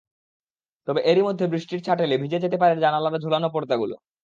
তবে এরই মধ্যে বৃষ্টির ছাট এলে ভিজে যেতে পারে জানালায় ঝোলানো পর্দাগুলো।